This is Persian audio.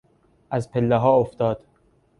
از پلهها افتاد.